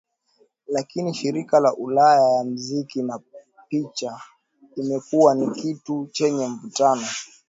Lakini shirika la ulaya ya muziki na picha imekuwa ni kitu chenye mvutano